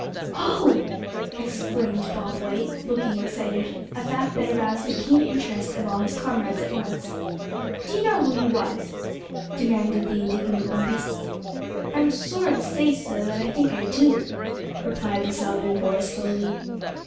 "Oh!" exclaimed Bob White, looking excited, a fact that aroused the keen interest of all his comrades at once. "Do you know who he was?" demanded the indignant Bumpus. "I'm sorry to say, suh, that I think I do," replied the Southern boy, slowly.